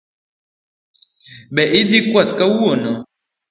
Be nidhi kwath kawuono?